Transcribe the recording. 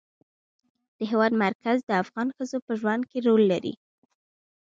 د هېواد مرکز د افغان ښځو په ژوند کې رول لري.